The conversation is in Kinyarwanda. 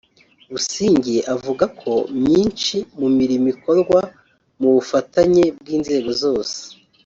Busingye avuga ko myinshi mu mirimo ikorwa mu bufatanye bw’inzego zose